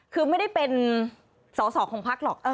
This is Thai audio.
คือไม่ได้เป็นสอสอของพักหรอก